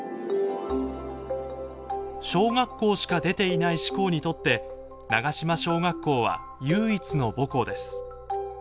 小学校しか出ていない志功にとって長島小学校は唯一の母校です。